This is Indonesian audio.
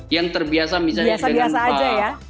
yang terbiasa misalnya dengan bank